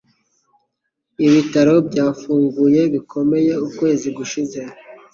Ibitaro byafunguye bikomeye ukwezi gushize.